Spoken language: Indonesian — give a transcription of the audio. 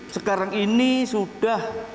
sekarang ini sudah